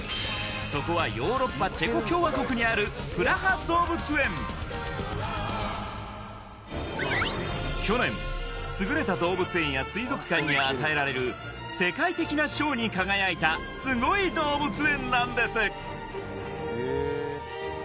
そこはヨーロッパチェコ共和国にあるプラハ動物園去年優れた動物園や水族館に与えられる世界的な賞に輝いたスゴい動物園なんです